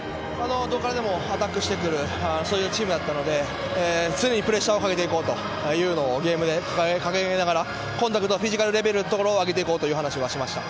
どこからでもアタックしてくるチームなので、常にプレッシャーをかけていこうというのをゲームで掲げながら、フィジカルレベルを上げていこうという話をしていました。